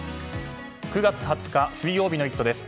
９月２０日水曜日の「イット！」です。